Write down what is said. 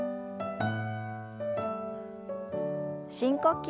深呼吸。